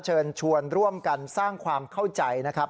เชิญชวนร่วมกันสร้างความเข้าใจนะครับ